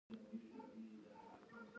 خو زه دې ملګرې یم، پښه دې اوس څنګه ده؟